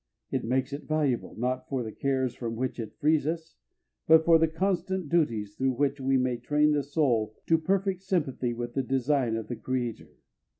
It makes it valuable, not for the cares from which it frees us, but for the constant duties through which we may train the soul to perfect sympathy with the design of the Creator.